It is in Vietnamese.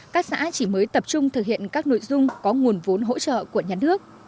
các xã chỉ mới tập trung thực hiện các nội dung có nguồn vốn hỗ trợ của nhà nước